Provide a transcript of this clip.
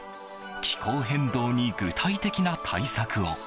「気候変動に具体的な対策を」。